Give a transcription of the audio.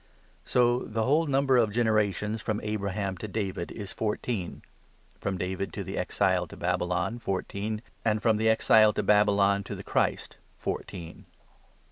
So the whole number of generations from Abraham to David 17 is fourteen ; from David to the Exile to Babylon fourteen ; and from the Exile to Babylon to the Christ fourteen.